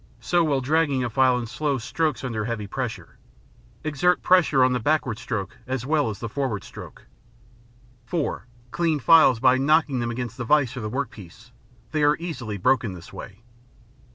So will dragging a file in slow strokes under heavy pressure. Exert pressure on the backward stroke as well as the forward stroke. (4) Clean files by knocking them against the vise or the workpiece; they are easily broken this way.